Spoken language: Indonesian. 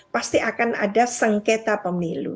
pasti akan ada sengketa pemilu